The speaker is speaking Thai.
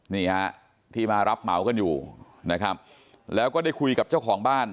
นี่ฮะที่มารับเหมากันอยู่นะครับแล้วก็ได้คุยกับเจ้าของบ้าน